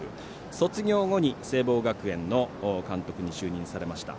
卒業後に、聖望学園の監督に就任されました。